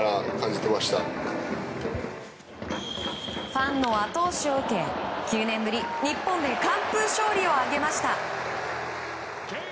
ファンの後押しを受け９年ぶり、日本で完封勝利を挙げました。